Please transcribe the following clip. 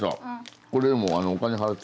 これでもお金払っていきます。